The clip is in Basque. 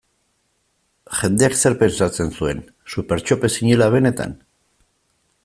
Jendeak zer pentsatzen zuen, Supertxope zinela benetan?